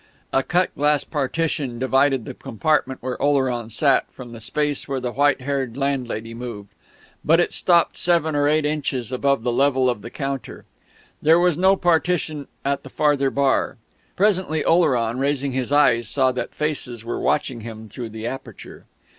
A cut glass partition divided the compartment where Oleron sat from the space where the white haired landlady moved; but it stopped seven or eight inches above the level of the counter. There was no partition at the farther bar. Presently Oleron, raising his eyes, saw that faces were watching him through the aperture.